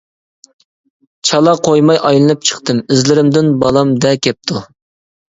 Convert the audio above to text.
چالا قويماي ئايلىنىپ چىقتىم، ئىزلىرىمدىن بالام دە كەپتۇ.